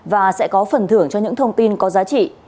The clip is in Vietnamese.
và sẽ có phần thưởng cho những thông tin có giá trị